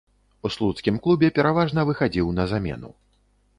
У слуцкім клубе пераважна выхадзіў на замену.